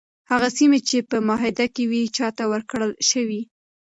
هغه سیمي چي په معاهده کي وي چاته ورکړل شوې؟